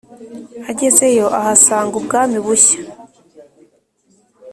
agezeyo, ahasanga ubwami bushya